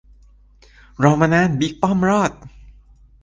รอมานาน บิ๊กป้อมรอด !